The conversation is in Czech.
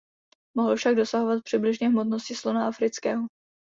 Mohl však dosahovat přibližně hmotnosti slona afrického.